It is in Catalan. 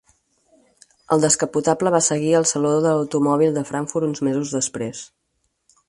El descapotable va seguir al Saló de l'Automòbil de Frankfurt uns mesos després.